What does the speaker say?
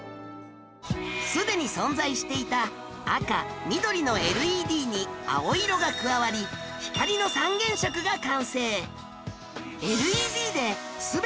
すでに存在していた赤緑の ＬＥＤ に青色が加わり光の三原色が完成